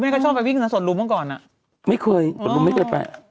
ไม่เคยส่วนลุงไม่เคยไป